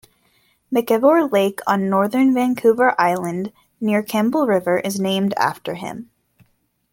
McIvor Lake on northern Vancouver Island near Campbell River is named after him.